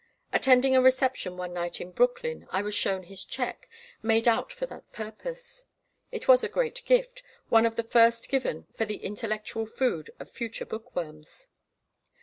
Attending a reception one night in Brooklyn, I was shown his check, made out for that purpose. It was a great gift, one of the first given for the intellectual food of future bookworms.